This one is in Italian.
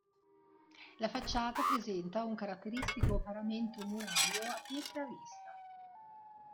La facciata presenta un caratteristico paramento murario a pietre a vista.